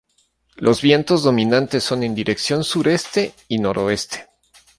Los vientos dominantes son en dirección sureste y noroeste.